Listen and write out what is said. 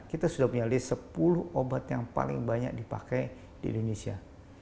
kita sudah penyelidik sepuluh obat yang paling banyak dipakai di indonesia